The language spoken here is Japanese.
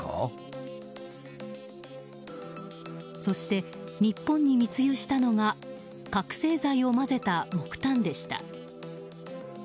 そして日本に密輸したのが覚醒剤を混ぜた木炭でした。